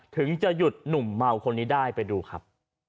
ถึงจะหยุดหนุ่มเมาคนนี้ได้ไปดูครับ